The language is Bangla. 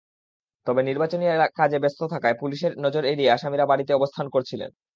তবে নির্বাচনী কাজে ব্যস্ত থাকায় পুলিশের নজর এড়িয়ে আসামিরা বাড়িতে অবস্থান করছিলেন।